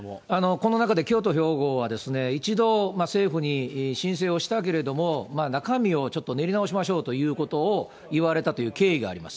この中で京都、兵庫はですね、一度、政府に申請をしたけれども、中身をちょっと練り直しましょうということを言われたという経緯があります。